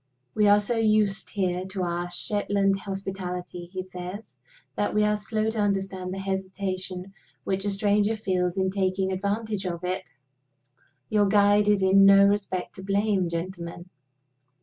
"We are so used here to our Shetland hospitality," he says, "that we are slow to understand the hesitation which a stranger feels in taking advantage of it. Your guide is in no respect to blame, gentlemen.